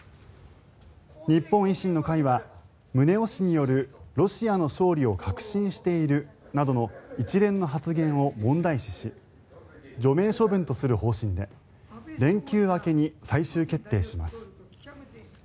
日本維新の会は、宗男氏によるロシアの勝利を確信しているなどの一連の発言を問題視し除名処分とする方針で連休明けに最終決定します。